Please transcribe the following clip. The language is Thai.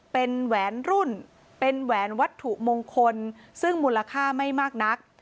เป็นแหวนรุ่นเป็นแหวนวัตถุมงคลซึ่งมูลค่าไม่มากนัก